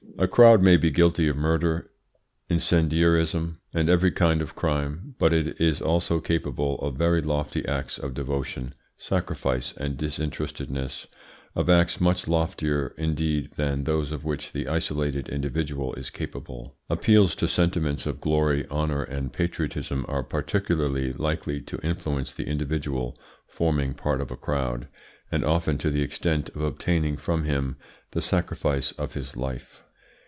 A crowd may be guilty of murder, incendiarism, and every kind of crime, but it is also capable of very lofty acts of devotion, sacrifice, and disinterestedness, of acts much loftier indeed than those of which the isolated individual is capable. Appeals to sentiments of glory, honour, and patriotism are particularly likely to influence the individual forming part of a crowd, and often to the extent of obtaining from him the sacrifice of his life.